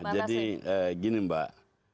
jadi gini mbak